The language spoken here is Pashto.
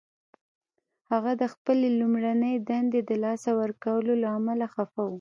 هغه د خپلې لومړۍ دندې د لاسه ورکولو له امله خفه و